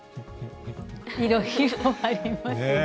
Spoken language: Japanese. いろいろありますね。